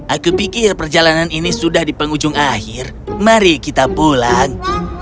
aku pikir perjalanan ini sudah di penghujung akhir mari kita pulang